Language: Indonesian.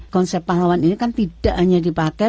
konsep pahlawan ini kan tidak hanya dipakai